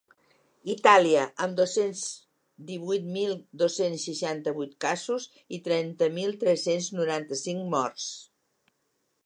Itàlia, amb dos-cents divuit mil dos-cents seixanta-vuit casos i trenta mil tres-cents noranta-cinc morts.